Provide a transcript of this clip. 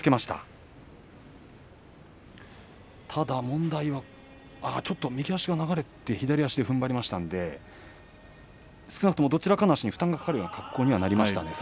ただ問題はちょっと右足が流れて左足でふんばりましたので少なくとも、どちらかの足に負担がかかるような格好になりました、